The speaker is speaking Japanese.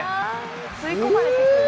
吸い込まれてく。